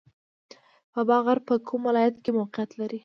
بابا غر په کوم ولایت کې موقعیت لري؟